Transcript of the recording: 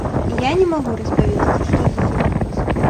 Я не магу распавесці, што за сюрпрыз.